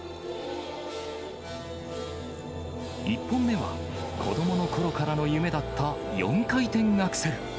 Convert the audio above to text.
１本目は、子どものころからの夢だった４回転アクセル。